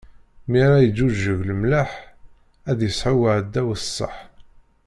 Mi ara iǧǧuǧeg lemleḥ, ad isɛu uɛdaw ṣṣeḥ.